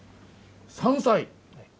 山菜！